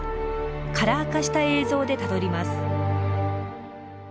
カラー化した映像でたどります。